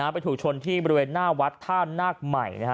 ไปถูกชนที่บริเวณหน้าวัดท่านาคใหม่